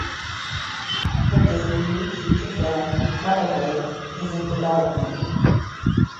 Her debut feature film "Motherhood" is in development.